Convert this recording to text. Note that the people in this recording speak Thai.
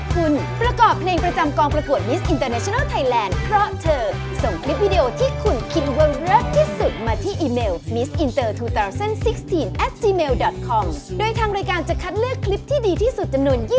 ผู้ชนะหนึ่งคนแล้วก็ที่ทำให้ดีที่สุด๒คน